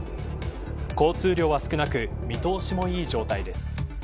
交通量は少なく見通しもいい状態です。